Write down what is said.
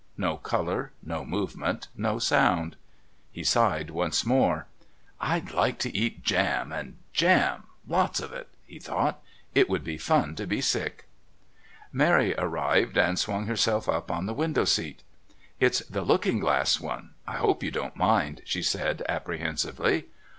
No colour, no movement, no sound. He sighed once more "I'd like to eat jam and jam lots of it," he thought. "It would be fun to be sick." Mary arrived and swung herself up on to the window seat. "It's the 'Looking Glass' one. I hope you don't mind," she said apprehensively.